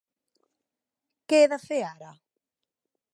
Què he de fer ara?